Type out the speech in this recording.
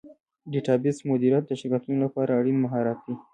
ډیټابیس مدیریت د شرکتونو لپاره اړین مهارت دی.